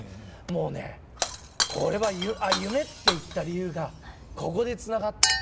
もうねこれは夢って言った理由がここでつながったと思いましたね。